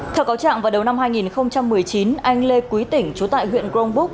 theo cáo trạng vào đầu năm hai nghìn một mươi chín anh lê quý tỉnh chú tại huyện grongbúc